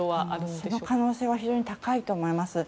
その可能性は非常に高いと思います。